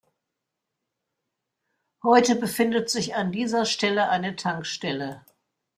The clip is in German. Heute befindet sich an dieser Stelle eine Tankstelle.